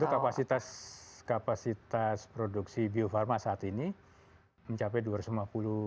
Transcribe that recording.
tentu kapasitas produksi biofarma saat ini mencapai dua ratus lima puluh juta setahun